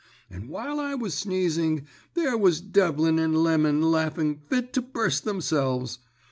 And while I was sneezing, there was Devlin and Lemon laughing fit to burst theirselves.